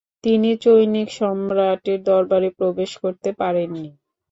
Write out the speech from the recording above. তিনি চৈনিক সম্রাটের দরবারে প্রবেশ করতে পারেননি।